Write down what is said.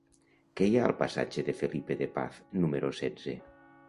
Què hi ha al passatge de Felipe de Paz número setze?